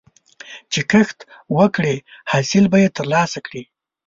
چې کښت وکړې، حاصل به یې ترلاسه کړې.